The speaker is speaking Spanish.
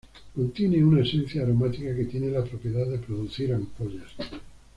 Contiene una esencia aromática que tiene la propiedad de producir ampollas.